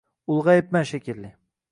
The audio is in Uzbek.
Ulg‘ayibman shekilli